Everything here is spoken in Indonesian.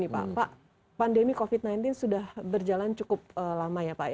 pak pandemi covid sembilan belas sudah berjalan cukup lama ya pak